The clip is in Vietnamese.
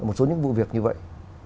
một số những vụ việc như vậy